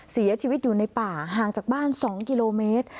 เสียชีวิตอยู่ในป่าห่างจากบ้าน๒กิโลเมตร